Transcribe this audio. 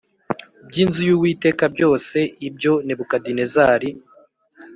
by inzu y Uwiteka byose ibyo Nebukadinezari